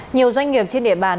nhiều doanh nghiệp trên địa bàn